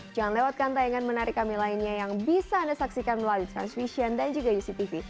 jangan lewatkan tayangan menarik kami lainnya yang bisa anda saksikan melalui transvision dan juga uctv